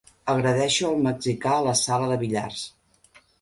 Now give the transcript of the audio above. Agredeixo el mexicà a la sala de billars.